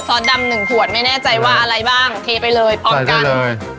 สดำหนึ่งขวดไม่แน่ใจว่าอะไรบ้างเทไปเลยพร้อมกัน